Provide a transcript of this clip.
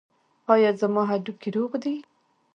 ایا زما هډوکي روغ دي؟